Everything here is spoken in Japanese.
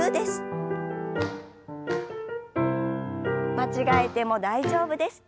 間違えても大丈夫です。